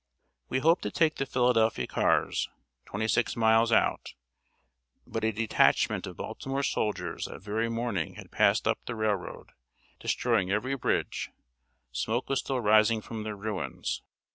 We hoped to take the Philadelphia cars, twenty six miles out, but a detachment of Baltimore soldiers that very morning had passed up the railroad, destroying every bridge; smoke was still rising from their ruins.